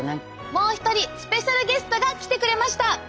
もう一人スペシャルゲストが来てくれました！